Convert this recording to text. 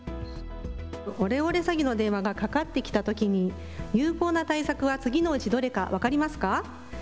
オレオレ詐欺の電話がかかってきたときに有効な対策は次のうちどれか分かりますか。